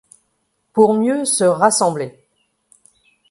Pour mieux se rassembler.